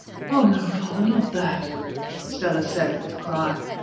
"Ah, no, father, not that!" Stella said, with a cry.